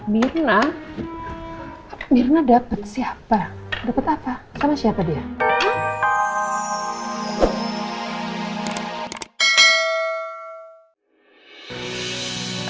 mirna mirna dapet siapa dapet apa sama siapa dia